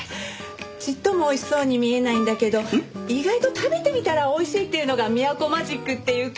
ちっとも美味しそうに見えないんだけど意外と食べてみたら美味しいっていうのが美和子マジックっていうか。